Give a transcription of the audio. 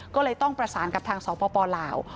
ก็เลยต้องประสานกับทางสปลาว